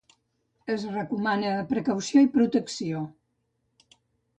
Es recomana precaució i protecció.